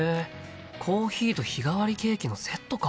コーヒーと日替わりケーキのセットか。